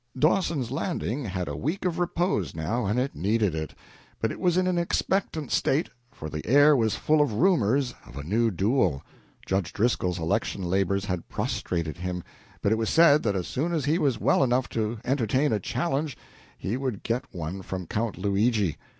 Dawson's Landing had a week of repose, now, and it needed it. But it was in an expectant state, for the air was full of rumors of a new duel. Judge Driscoll's election labors had prostrated him, but it was said that as soon as he was well enough to entertain a challenge he would get one from Count Luigi.